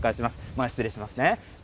前、失礼しますね。